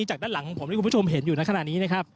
จากด้านหลังของผมที่คุณผู้ชมเห็นอยู่ณขนาดนี้